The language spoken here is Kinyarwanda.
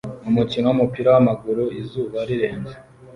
Umukino wumupira wamaguru izuba rirenze